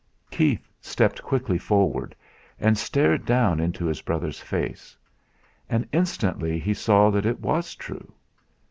Keith stepped quickly forward, and stared down into his brother's face; and instantly he saw that it was true.